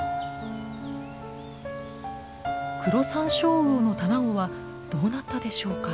クロサンショウウオの卵はどうなったでしょうか？